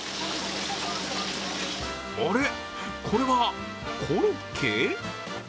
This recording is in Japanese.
あれ、これはコロッケ？